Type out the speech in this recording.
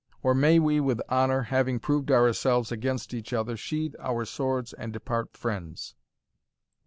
or may we with honour, having proved ourselves against each other, sheathe our swords and depart friends?"